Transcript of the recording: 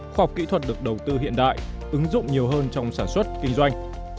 khoa học kỹ thuật được đầu tư hiện đại ứng dụng nhiều hơn trong sản xuất kinh doanh